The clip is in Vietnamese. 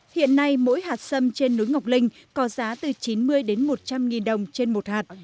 hiện nay mỗi hạt sâm trên núi ngọc linh có giá từ chín mươi đến một trăm linh nghìn đồng trên một hạt